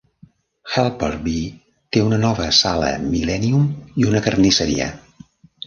Helperby té una nova sala Millennium i una carnisseria.